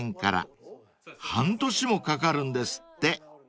［半年もかかるんですって］